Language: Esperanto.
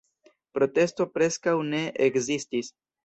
Protesto preskaŭ ne ekzistis.